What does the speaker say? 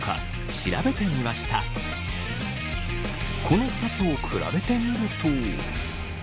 この２つを比べてみると。